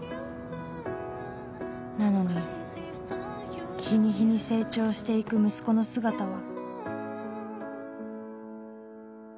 なのに日に日に成長していく息子の姿は。